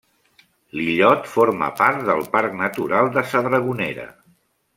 L'illot forma part del Parc Natural de sa Dragonera.